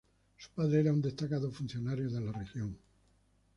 Su padre era un destacado funcionario de la región.